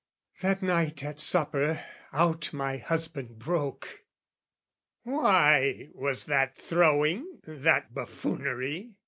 That night at supper, out my husband broke, "Why was that throwing, that buffoonery?